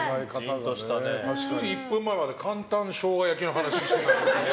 つい１分前まで簡単ショウガ焼きの話をしてたのにね。